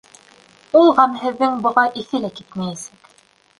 Ул ғәмһеҙҙең быға иҫе лә китмәйәсәк.